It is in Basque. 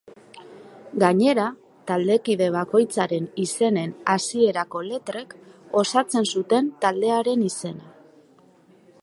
Gainera, taldekide bakoitzaren izenen hasierako letrek osatzen zuten taldearen izena.